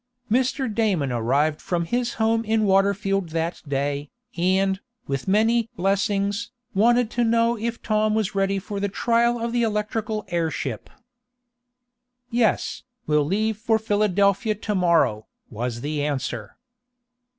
Mr. Damon arrived from his home in Waterfield that day, and, with many "blessings," wanted to know if Tom was ready for the trial of the electrical airship. "Yes, we'll leave for Philadelphia to morrow," was the answer.